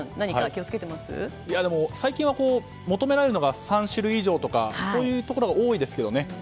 でも最近は求められるのが３種類以上とかそういうところが多いですけどね。